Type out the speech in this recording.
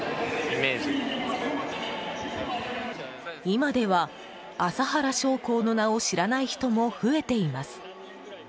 今では、麻原彰晃の名を知らない人も増えています。